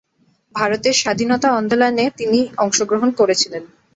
ভারতের স্বাধীনতা আন্দোলনে তিনি অংশগ্রহণ করেছিলেন।